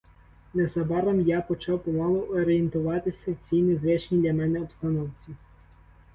Незабаром я почав помалу орієнтуватися в цій незвичній для мене обстановці.